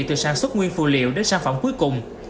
từ sản xuất nguyên phụ liệu đến sản phẩm cuối cùng